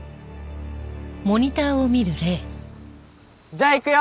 じゃあいくよ！